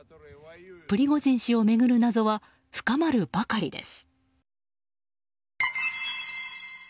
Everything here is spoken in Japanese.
プリゴジン氏を巡る謎は深まるばかりです。